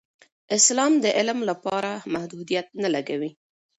اسلام د علم لپاره محدودیت نه لګوي.